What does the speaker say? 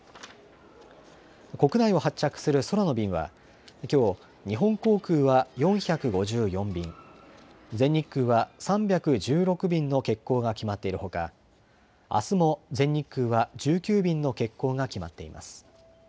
国内を発着する空の便は、きょう日本航空は４５４便、全日空は３１６便の欠航が決定っているほか、あすも全日空は１９便の欠航が決まっています。